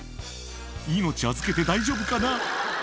命預けて大丈夫かな。